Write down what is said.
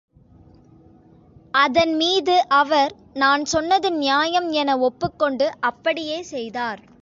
அதன்மீது அவர், நான் சொன்னது நியாயம் என ஒப்புக்கொண்டு அப்படியே செய்தார்.